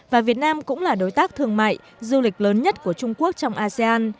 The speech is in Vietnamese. và việt nam cũng là đối tác thương mại du lịch lớn nhất của trung quốc trong asean